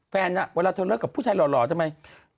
เวลาเธอเลิกกับผู้ชายหล่อทำไม